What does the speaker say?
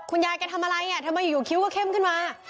คุณยายแกทำอะไรถ้ามาอยู่คิ้วก็เข้มขึ้นมา